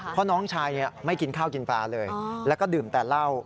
เพราะน้องชายไม่กินข้าวกินปลาเลยแล้วก็ดื่มแต่เหล้า